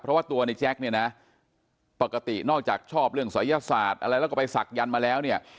เพราะว่าตัวในแจ๊คเนี่ยนะปกตินอกจากชอบเรื่องศัยศาสตร์อะไรแล้วก็ไปศักดันมาแล้วเนี่ย